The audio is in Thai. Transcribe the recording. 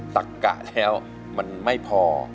สักกะแล้วมันไม่พอ